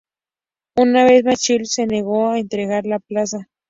Una vez más Childs se negó a entregar la plaza.